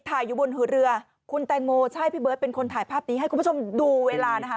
อยู่บนหัวเรือคุณแตงโมใช่พี่เบิร์ตเป็นคนถ่ายภาพนี้ให้คุณผู้ชมดูเวลานะคะ